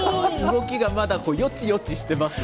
動きがまだよちよちしてます